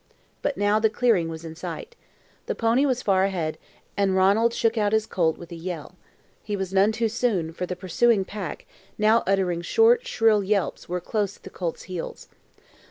But now the clearing was in sight. The pony was far ahead, and Ranald shook out his colt with a yell. He was none too soon, for the pursuing pack, now uttering short, shrill yelps, were close at the colt's heels.